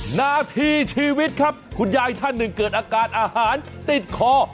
หน้าที่ชีวิตครับคุณยายท่านหนึ่งเกิดอาการอาหารติดคอ